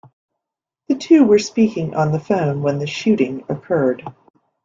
The two were speaking on the phone when the shooting occurred.